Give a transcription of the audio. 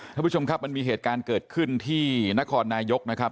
ท่านผู้ชมครับมันมีเหตุการณ์เกิดขึ้นที่นครนายกนะครับ